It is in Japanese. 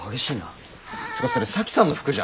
つうかそれ沙樹さんの服じゃん。